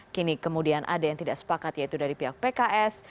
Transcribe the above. kini kemudian ada yang tidak sepakat yaitu dari pihak pks